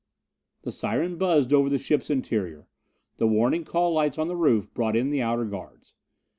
The siren buzzed over the camp's interior; the warning call lights on the roof brought in the outer guards.